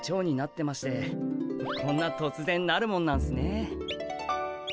こんなとつぜんなるもんなんすね。